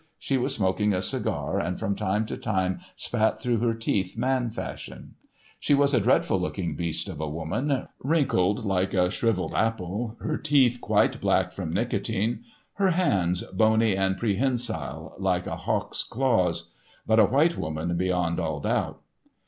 She was smoking a cigar, and from time to time spat through her teeth man fashion. She was a dreadful looking beast of a woman, wrinkled like a shriveled apple, her teeth quite black from nicotine, her hands bony and prehensile, like a hawk's claws—but a white woman beyond all doubt.